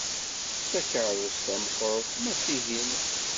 Takeṛṛust-a meqqret ma tihin.